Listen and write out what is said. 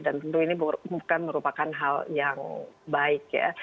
dan tentu ini bukan merupakan hal yang baik ya